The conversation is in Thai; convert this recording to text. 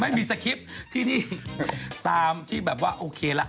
ไม่มีสคริปต์ที่นี่ตามที่แบบว่าโอเคละ